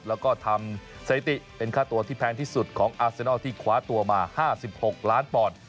แล้วก็ทำสถิติเป็นค่าตัวที่แพงที่สุดของอาเซนัลที่คว้าตัวมา๕๖ล้านปอนด์